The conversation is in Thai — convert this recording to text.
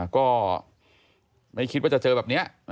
ก็ไม่คิดว่าจะเจอแบบนี้